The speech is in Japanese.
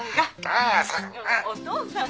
お父さんが。